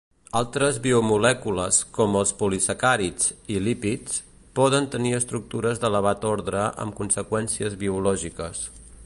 Altres biomolècules com els polisacàrids i lípids, poden tenir estructures d'elevat ordre amb conseqüències biològiques.